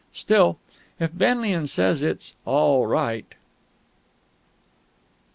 Still, if Benlian says it's "All right